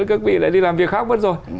các vị lại đi làm việc khác mất rồi